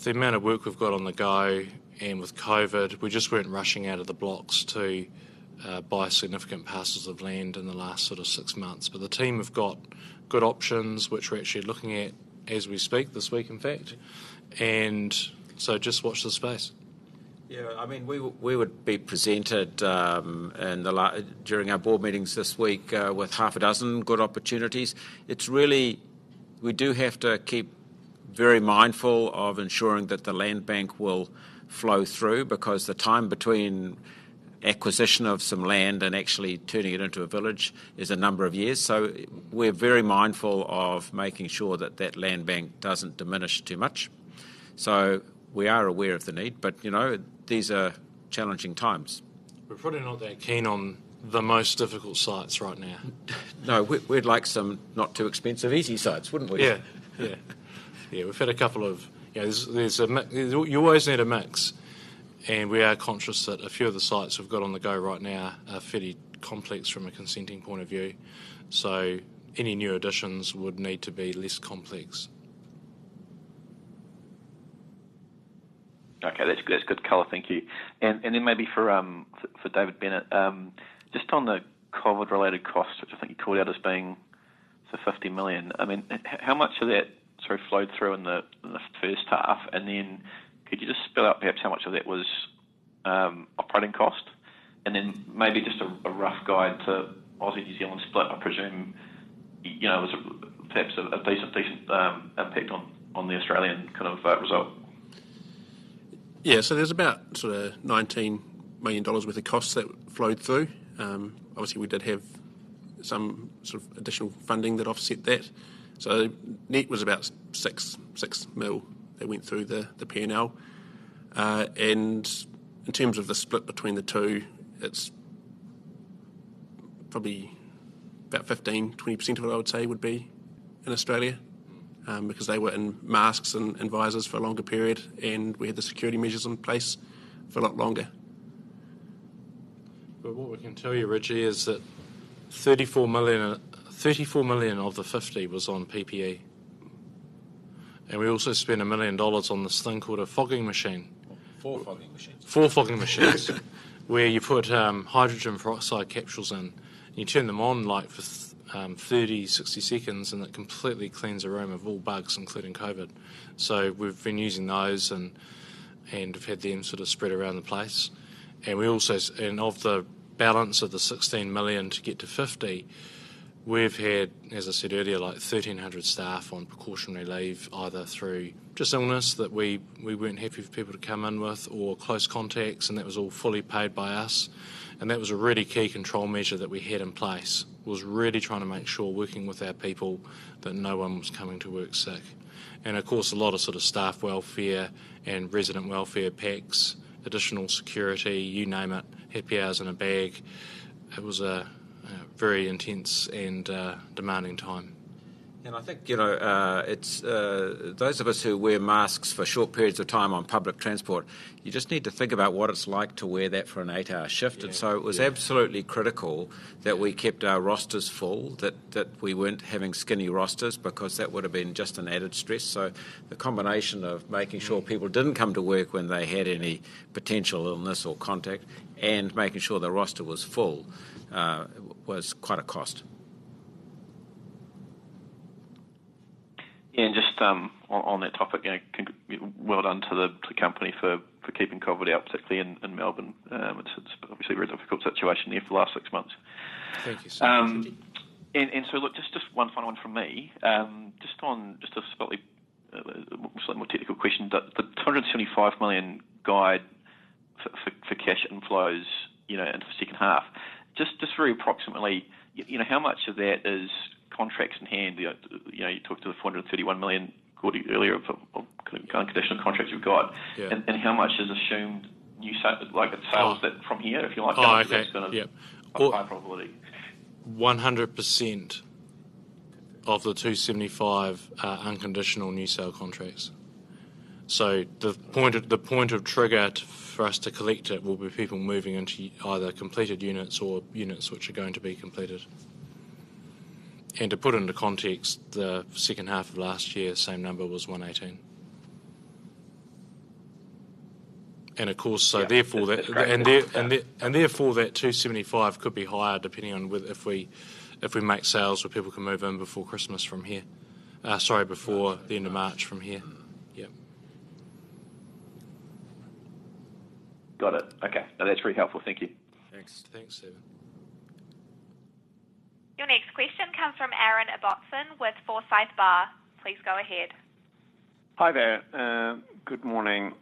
the amount of work we've got on the go and with COVID, we just weren't rushing out of the blocks to buy significant parcels of land in the last sort of six months. The team have got good options, which we're actually looking at as we speak this week, in fact. Just watch this space. Yeah, we would be presented during our board meetings this week with half a dozen good opportunities. It's really, we do have to keep very mindful of ensuring that the land bank will flow through because the time between acquisition of some land and actually turning it into a village is a number of years. We're very mindful of making sure that that land bank doesn't diminish too much. We are aware of the need, but these are challenging times. We're probably not that keen on the most difficult sites right now. No, we'd like some not too expensive easy sites, wouldn't we? Yeah. You always need a mix. We are conscious that a few of the sites we've got on the go right now are fairly complex from a consenting point of view. Any new additions would need to be less complex. Okay, that's good color. Thank you. Then maybe for David Bennett, just on the COVID-19-related costs, which I think you called out as being sort of 50 million. How much of that sort of flowed through in the first half? Then could you just spell out perhaps how much of that was operating cost? Then maybe just a rough guide to Australia/New Zealand split. I presume it was perhaps a decent impact on the Australian kind of result. Yeah. There's about sort of 19 million dollars worth of costs that flowed through. Obviously, we did have some sort of additional funding that offset that. Net was about 6 million that went through the P&L. In terms of the split between the two, it's probably about 15%-20% of it, I would say, would be in Australia. They were in masks and visors for a longer period, and we had the security measures in place for a lot longer. What we can tell you, Ridgey, is that 34 million of the 50 was on PPE. We also spent 1 million dollars on this thing called a fogging machine. Four fogging machines. four fogging machines, where you put hydrogen peroxide capsules in. You turn them on like for 30, 60 seconds, and it completely cleans a room of all bugs, including COVID-19. We've been using those and have had them sort of spread around the place. Of the balance of the 16 million to get to 50 million, we've had, as I said earlier, like 1,300 staff on precautionary leave, either through just illness that we weren't happy for people to come in with or close contacts, and that was all fully paid by us. That was a really key control measure that we had in place, was really trying to make sure working with our people that no one was coming to work sick. Of course, a lot of sort of staff welfare and resident welfare packs, additional security, you name it, happy hours in a bag. It was a very intense and demanding time. I think those of us who wear masks for short periods of time on public transport, you just need to think about what it's like to wear that for an eight-hour shift. Yeah. It was absolutely critical that we kept our rosters full, that we weren't having skinny rosters because that would have been just an added stress. The combination of making sure people didn't come to work when they had any potential illness or contact and making sure the roster was full was quite a cost. Just on that topic, well done to the company for keeping COVID out, particularly in Melbourne. It's obviously a very difficult situation there for the last six months. Thank you. Look, just one final one from me. Just a slightly more technical question, the 275 million guide for cash inflows in the second half, just very approximately, how much of that is contracts in hand? You talked to the 431 million, Gordy, earlier of unconditional contracts you've got. Yeah. How much is assumed new, like sales from here? Oh, okay. Yep. high probability. 100% of the 275 are unconditional new sale contracts. The point of trigger for us to collect it will be people moving into either completed units or units which are going to be completed. To put it into context, the second half of last year, the same number was 118. Yeah. That's great Therefore that 275 could be higher, depending on if we make sales where people can move in before Christmas from here, before the end of March from here. Got it. Okay. No, that's very helpful. Thank you. Thanks. Thanks. Your next question comes from Aaron Ibbotson with Forsyth Barr. Please go ahead. Hi there. Good morning.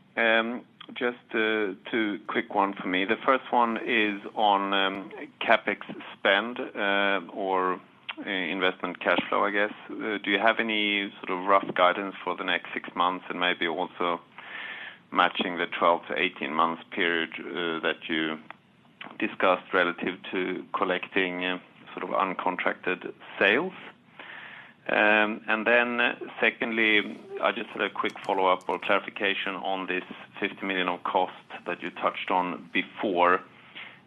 Just two quick one for me. The first one is on CapEx spend, or investment cash flow, I guess. Do you have any sort of rough guidance for the next six months, and maybe also matching the 12 to 18-month period that you discussed relative to collecting sort of uncontracted sales? Secondly, just sort of a quick follow-up or clarification on this 50 million of cost that you touched on before.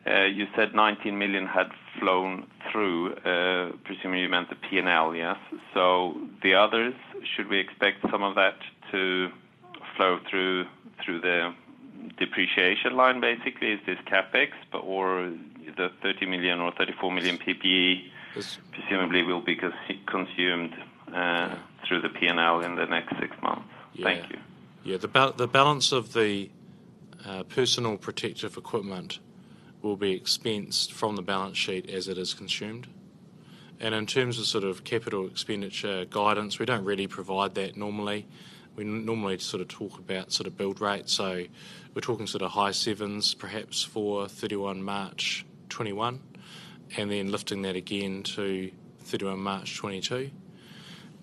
You said 19 million had flown through, presumably you meant the P&L, yes? The others, should we expect some of that to flow through the depreciation line, basically? Is this CapEx, or the 30 million or 34 million PPE- Yes presumably will be consumed through the P&L in the next six months. Yeah. Thank you. Yeah. The balance of the personal protective equipment will be expensed from the balance sheet as it is consumed. In terms of sort of capital expenditure guidance, we don't really provide that normally. We normally sort of talk about sort of build rates. We're talking sort of high sevens perhaps for 31 March 2021, and then lifting that again to 31 March 2022.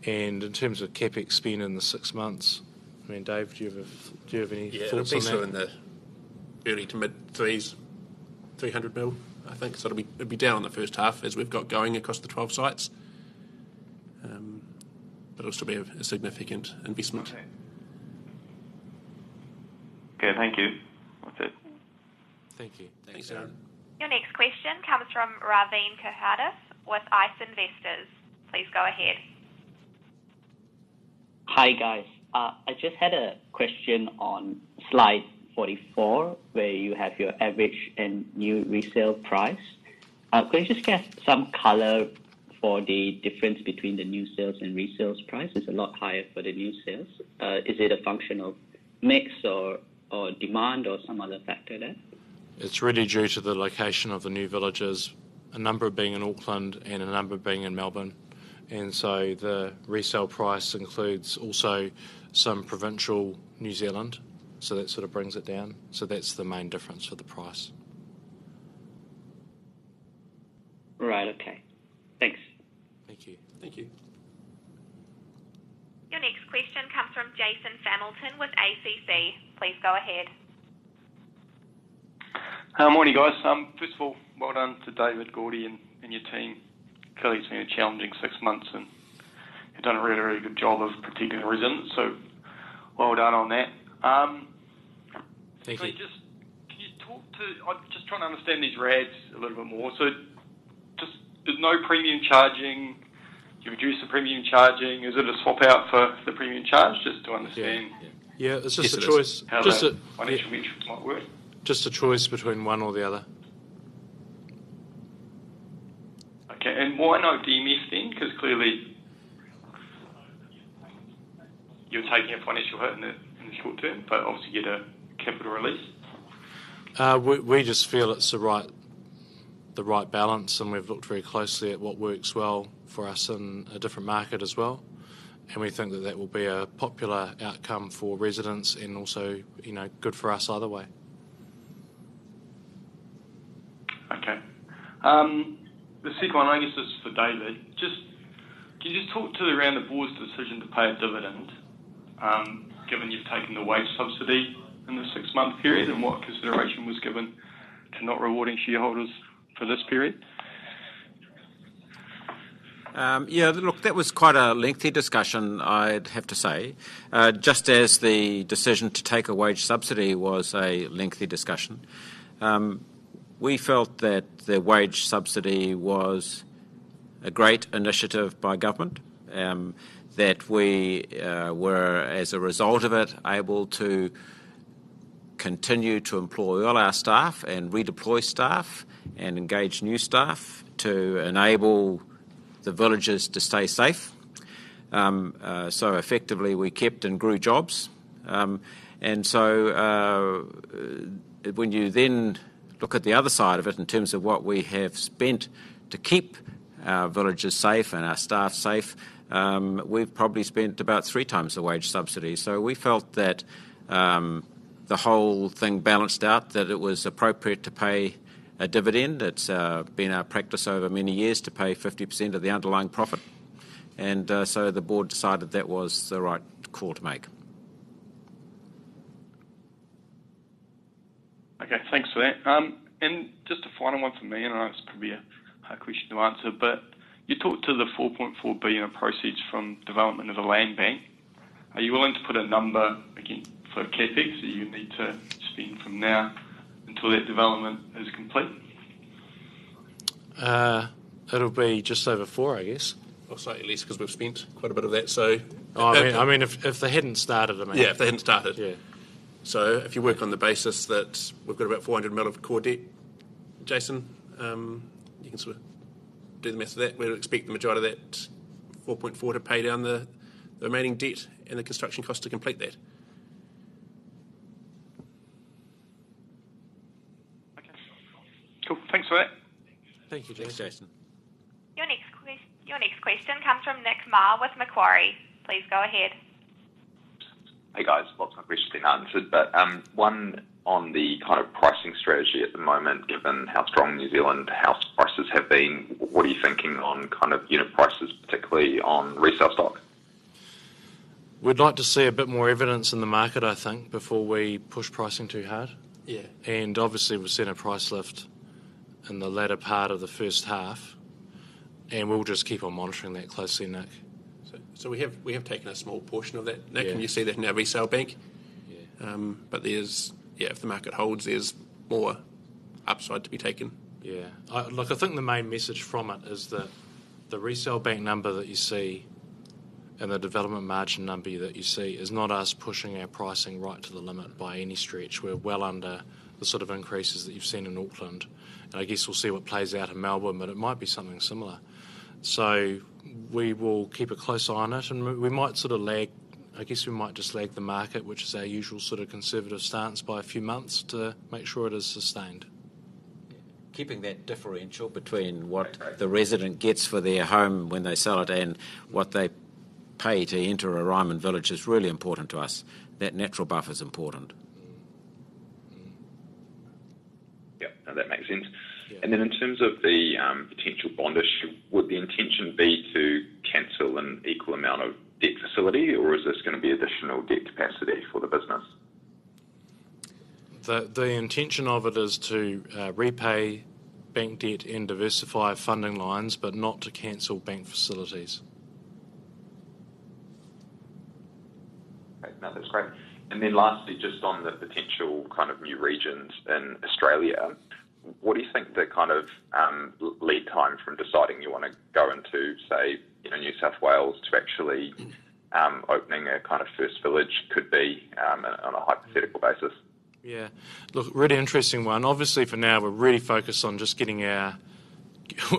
In terms of CapEx spend in the six months, I mean, Dave, do you have any thoughts on that? Yeah. It'd be sort of in the early to mid threes, 300 million, I think. It'd be down in the first half as we've got going across the 12 sites. It'll still be a significant investment. Okay. Okay, thank you. That's it. Thank you. Thank you. Your next question comes from Raveen Kuhadas with ICE Investors. Please go ahead. Hi, guys. I just had a question on slide 44, where you have your average and new resale price. Could I just get some color for the difference between the new sales and resales price? It's a lot higher for the new sales. Is it a function of mix or demand or some other factor there? It's really due to the location of the new villages, a number being in Auckland and a number being in Melbourne. The resale price includes also some provincial New Zealand. That sort of brings it down. That's the main difference for the price. Right. Okay. Thanks. Thank you. Thank you. Your next question comes from Jason Hamilton with ACC. Please go ahead. Morning, guys. First of all, well done to David, Gordy, and your team. Clearly, it's been a challenging six months. You've done a really good job of particularly the residents, so well done on that. Thank you. I'm just trying to understand these RADs a little bit more? Just there's no premium charging. Do you reduce the premium charging? Is it a swap out for the premium charge? Yeah. how the financial metrics might work. Just a choice between one or the other. Okay. Why not DMF then? Clearly, you're taking a financial hit in the short term, but obviously get a capital release. We just feel it's the right balance. We've looked very closely at what works well for us in a different market as well. We think that that will be a popular outcome for residents and also good for us either way. Okay. The second one, I guess this is for David. Can you just talk to around the board's decision to pay a dividend, given you've taken the wage subsidy in the six-month period, and what consideration was given to not rewarding shareholders for this period? Look, that was quite a lengthy discussion, I'd have to say, just as the decision to take a wage subsidy was a lengthy discussion. We felt that the wage subsidy was a great initiative by government, that we were, as a result of it, able to continue to employ all our staff and redeploy staff and engage new staff to enable the villages to stay safe. Effectively, we kept and grew jobs. When you then look at the other side of it in terms of what we have spent to keep our villages safe and our staff safe, we've probably spent about three times the wage subsidy. We felt that the whole thing balanced out, that it was appropriate to pay a dividend. It's been our practice over many years to pay 50% of the underlying profit. The board decided that was the right call to make. Okay, thanks for that. Just a final one from me, I know this could be a hard question to answer, but you talked to the 4.4 billion of proceeds from development of the land bank. Are you willing to put a number against the CapEx that you need to spend from now until that development is complete? It'll be just over four, I guess. Slightly less because we've spent quite a bit of that. I mean, if they hadn't started. Yeah, if they hadn't started. Yeah. If you work on the basis that we've got about 400 million of core debt, Jason, you can sort of do the maths of that. We'd expect the majority of that, 4.4, to pay down the remaining debt and the construction cost to complete that. Okay. Cool. Thanks for that. Thank you, Jason. Thanks, Jason. Your next question comes from Nick Mar with Macquarie. Please go ahead. Hey, guys. Lots of my questions have been answered, but one on the kind of pricing strategy at the moment, given how strong New Zealand house prices have been, what are you thinking on unit prices, particularly on resale stock? We'd like to see a bit more evidence in the market, I think, before we push pricing too hard. Yeah. Obviously, we've seen a price lift in the latter part of the first half, and we'll just keep on monitoring that closely, Nick. We have taken a small portion of that, Nick. Yeah. You see that in our resale bank. Yeah. If the market holds, there's more upside to be taken. Yeah. Look, I think the main message from it is that the resale bank number that you see and the development margin number that you see is not us pushing our pricing right to the limit by any stretch. We're well under the sort of increases that you've seen in Auckland. I guess we'll see what plays out in Melbourne, but it might be something similar. We will keep a close eye on it, and I guess we might just lag the market, which is our usual sort of conservative stance, by a few months to make sure it is sustained. Keeping that differential between what the resident gets for their home when they sell it and what they pay to enter a Ryman village is really important to us. That natural buff is important. Yeah. No, that makes sense. Yeah. In terms of the potential bond issue, would the intention be to cancel an equal amount of debt facility, or is this going to be additional debt capacity for the business? The intention of it is to repay bank debt and diversify funding lines, but not to cancel bank facilities. Okay. No, that's great. Lastly, just on the potential kind of new regions in Australia, what do you think the kind of lead time from deciding you want to go into, say, New South Wales to actually opening a kind of first village could be on a hypothetical basis? Yeah. Look, really interesting one. Obviously, for now, we're really focused on,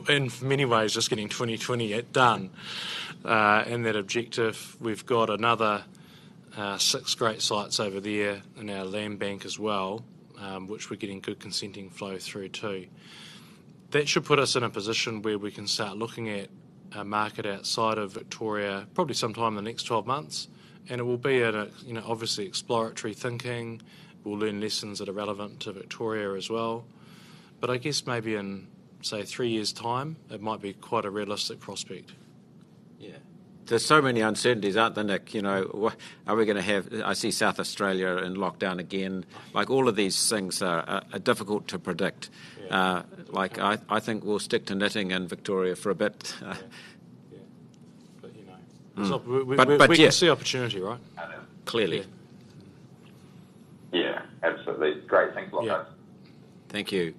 in many ways, just getting 2020 done and that objective. We've got another six great sites over there in our land bank as well, which we're getting good consenting flow through, too. That should put us in a position where we can start looking at a market outside of Victoria probably sometime in the next 12 months. It will be at a, obviously, exploratory thinking. We'll learn lessons that are relevant to Victoria as well. I guess maybe in, say, three years' time, it might be quite a realistic prospect. Yeah. There's so many uncertainties, aren't there, Nick? I see South Australia in lockdown again. Like, all of these things are difficult to predict. Yeah. Like, I think we'll stick to knitting in Victoria for a bit. Yeah. You know. Yeah. We can see opportunity, right? Clearly. Yeah, absolutely. Great. Thanks a lot, guys. Yeah. Thank you.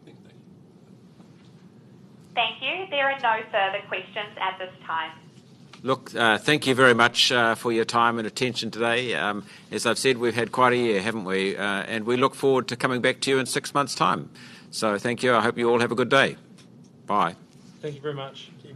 Thank you. There are no further questions at this time. Look, thank you very much for your time and attention today. As I've said, we've had quite a year, haven't we? We look forward to coming back to you in six months' time. Thank you. I hope you all have a good day. Bye. Thank you very much.